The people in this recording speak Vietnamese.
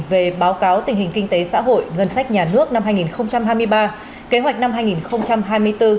về báo cáo tình hình kinh tế xã hội ngân sách nhà nước năm hai nghìn hai mươi ba kế hoạch năm hai nghìn hai mươi bốn